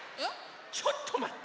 ちょっとまって！